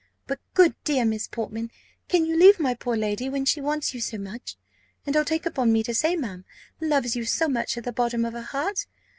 But, good dear Miss Portman, can you leave my poor lady when she wants you so much; and I'll take upon me to say, ma'am, loves you so much at the bottom of her heart?